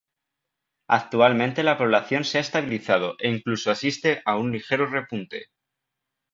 Actualmente la población se ha estabilizado e incluso asiste a un ligero repunte.